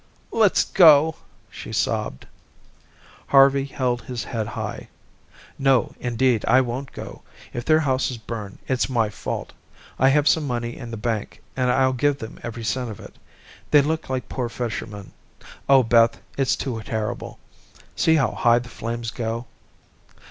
"Let's go," she sobbed. Harvey held his head high. "No, indeed, I won't go. If their houses burn, it's my fault. I have some money in the bank and I'll give them every cent of it. They look like poor fishermen. Oh, Beth, it's too terrible. See how high the flames go."